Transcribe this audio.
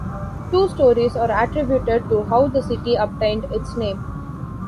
Two stories are attributed to how the city obtained its name.